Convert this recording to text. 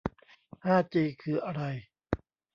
ห้าจีคืออะไร